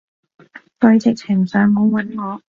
佢直情上門搵我